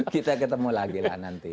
kita ketemu lagi lah nanti